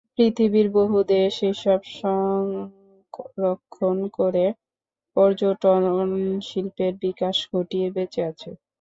পৃথিবীর বহু দেশ এসব সংরক্ষণ করে পর্যটনশিল্পের বিকাশ ঘটিয়ে বেঁচে আছে।